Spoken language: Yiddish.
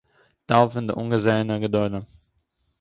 טייל פון די אנגעזעהנע גדולים